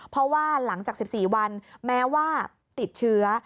เพราะว่าหลังจาก๑๔วันแม้ว่าติดเชื้อ